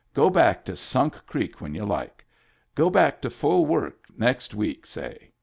Go back to Sunk Creek when you like. Go back to full work next week, say.